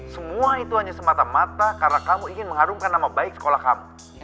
semua itu hanya semata mata karena kamu ingin mengharumkan nama baik sekolah kamu